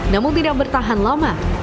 namun tidak bertahan lama